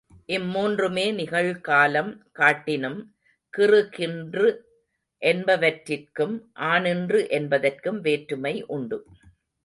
இம் மூன்றுமே நிகழ்காலம் காட்டினும், கிறு கின்று என்பவற்றிற்கும் ஆநின்று என்பதற்கும் வேற்றுமை உண்டு.